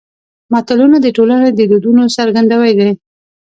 متلونه د ټولنې د دودونو څرګندوی دي